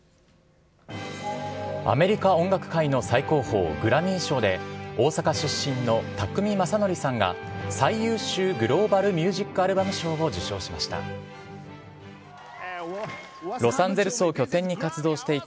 アメリカ音楽界の最高峰、グラミー賞で大阪出身の宅見将典さんが最優秀グローバル・ミュージック・アルバム賞を受賞しました。